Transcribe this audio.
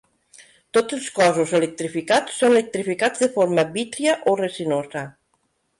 Tots els cossos electrificats són electrificats de forma vítria o resinosa.